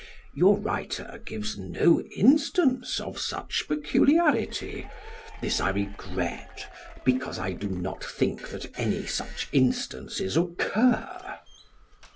Your writer gives no instance of any such peculiarity. This I regret, because I do not think that any such instances occur.